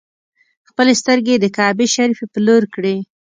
خپلې سترګې یې د کعبې شریفې پر لور کړې.